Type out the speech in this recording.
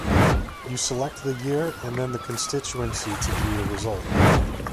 You select the year and then the constituency to view the result.